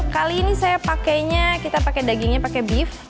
kali ini saya pakainya kita pakai dagingnya pakai beef